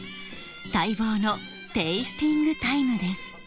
待望のテイスティングタイムです